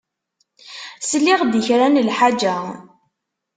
Sliɣ-d i kra n lḥaǧa.